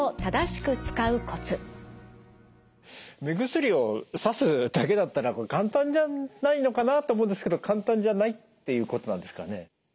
目薬をさすだけだったら簡単じゃないのかなと思うんですけど簡単じゃないっていうことなんですかね？